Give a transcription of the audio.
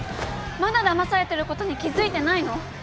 まだだまされてることに気付いてないの？